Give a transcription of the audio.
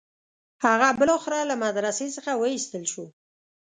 هغه بالاخره له مدرسې څخه وایستل شو.